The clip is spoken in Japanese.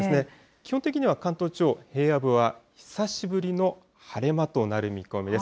基本的には関東地方、平野部は久しぶりの晴れ間となる見込みです。